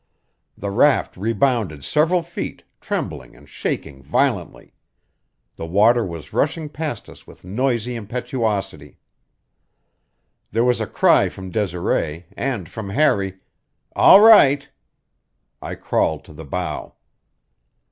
The raft rebounded several feet, trembling and shaking violently. The water was rushing past us with noisy impetuosity. There was a cry from Desiree, and from Harry, "All right!" I crawled to the bow.